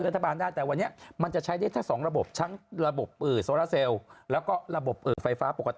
รัฐบาลได้แต่วันนี้มันจะใช้สองระบบชังระบบโสลโซระเซลแล้วก็ระบบไฟฟ้า